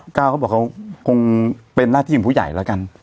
เขาบอกเขาคงเป็นหน้าที่ของผู้ใหญ่แล้วกัน